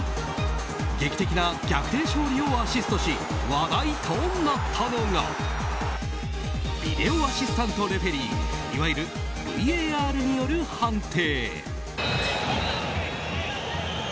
劇的な逆転勝利をアシストし話題となったのがビデオアシスタントレフェリーいわゆるＶＡＲによる判定。